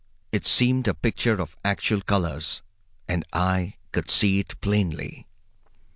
It seemed a picture of actual colors, and I could see it plainly.